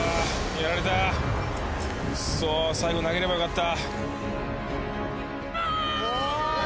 最後投げればよかった。